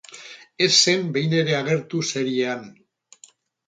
Ez zen behin ere agertu seriean.